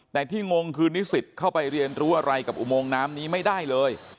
แต่ที่งงคือนิสิตเข้าไปเรียนรู้อะไรกับอุโมงน้ำนี้ไม่ได้เลย